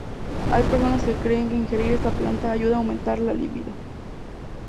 Hay personas que creen que ingerir esta planta ayuda a aumentar la libido.